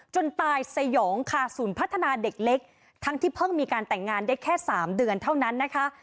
จนตายสยองค่ะศูนย์พัฒนาเด็กเล็กทั้งที่เพิ่งมีการแต่งงานได้แค่๓เดือนเท่านั้นนะคะ